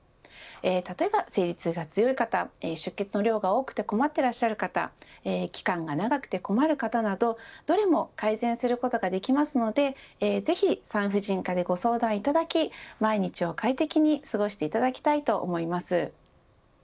例えば生理痛が強い方出血の量が多くて困ってらっしゃる方期間が長くて困る方などどれも改善することができますのでぜひ、産婦人科でご相談いただき毎日を快適に過ごしていただきたいと思います。